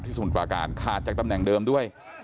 ที่ศูนย์ประการขาดจากตำนังเดิมด้วย